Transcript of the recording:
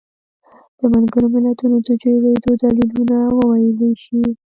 د ملګرو ملتونو د جوړېدو دلیلونه وویلی شي.